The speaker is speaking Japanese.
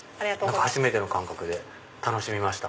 初めての感覚で楽しみました。